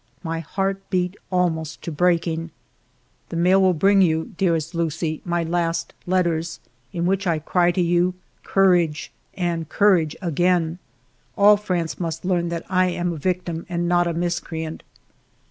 My heart beat almost to breaking. The mail will bring you, dearest Lucie, my last letters, in which I cry to you. Courage and courage again ! All France must learn that I am a victim and not a miscreant.